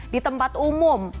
di tempat umum